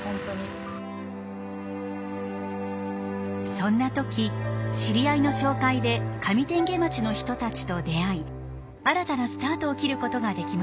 そんな時知り合いの紹介で上天花町の人たちと出会い新たなスタートを切る事ができました。